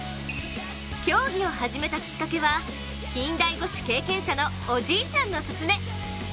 競技を始めたきっかけは近代五種経験者のおじいちゃんのすすめ。